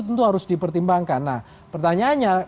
tentu harus dipertimbangkan nah pertanyaannya